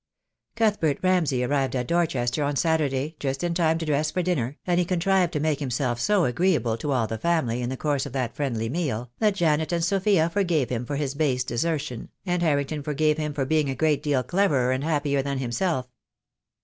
Cuthbert Ramsay arrived at Dorchester on Saturday just in time to dress for dinner, and he contrived to make himself so agreeable to all the family in the course of that friendly meal, that Janet and Sophia forgave him for his base desertion, and Harrington forgave him for being a great deal cleverer and happier than himself.